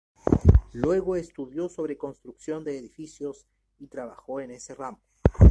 Luego estudió sobre construcción de edificios, y trabajó en ese ramo.